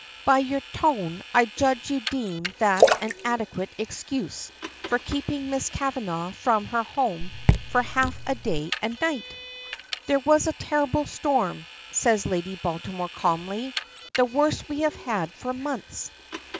"By your tone I judge you deem that an adequate excuse for keeping Miss Kavanagh from her home for half a day and a night." "There was a terrible storm," says. Lady Baltimore calmly; "the worst we have had for months."